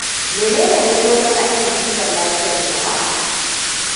Menene illolin aikin kiwon lafiyar jama'a?